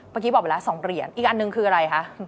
เมื่อกี้บอกไปแล้ว๒เหรียญอีกอันหนึ่งคืออะไรคะ